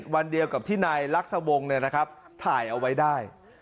วันเดียวกับที่นายรักษวงศ์เนี่ยนะครับถ่ายเอาไว้ได้